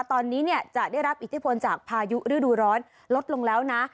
ตอนนี้เนี่ยจะได้รับอิทธิพลจากพายุฤดูร้อนลดลงแล้วนะ